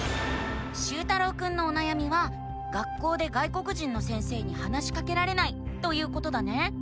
しゅうたろうくんのおなやみは「学校で外国人の先生に話しかけられない」ということだね。